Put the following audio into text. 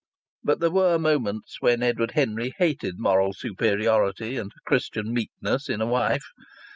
But there were moments when Edward Henry hated moral superiority and Christian meekness in a wife.